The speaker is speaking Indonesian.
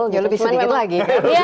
ya lebih sedikit lagi